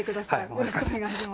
よろしくお願いします。